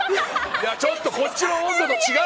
ちょっとこっちの温度と違う。